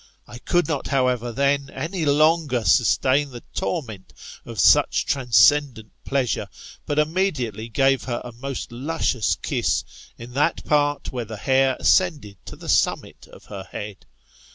I could not, however, then, any longer sustain the torment of such transcendent pleasure, but immediately gave her a most luscious kiss, in that part where the hair ascended to the summit of her head.